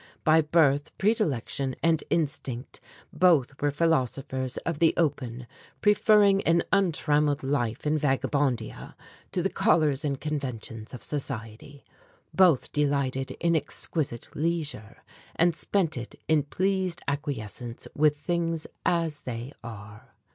By birth, predilection, and instinct both were philosophers of the open, preferring an untrammeled life in Vagabondia to the collars and conventions of society. Both delighted in exquisite leisure, and spent it in pleased acquiescence with things as they are.